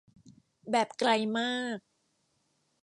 แบบไกลมาก